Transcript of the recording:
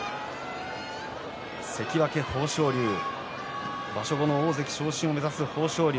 関脇豊昇龍場所後の大関昇進を目指す豊昇龍。